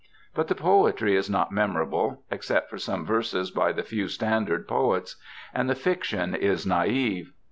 But the poetry is not memorable, except for some verses by the few standard poets. And the fiction is naïve.